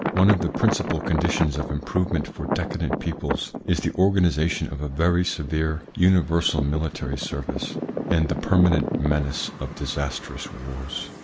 One of the principal conditions of improvement for decadent peoples is the organisation of a very severe universal military service and the permanent menace of disastrous wars.